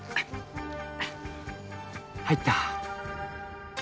入った！